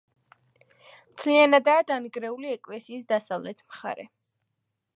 მთლიანადაა დანგრეული ეკლესიის დასავლეთ მხარე.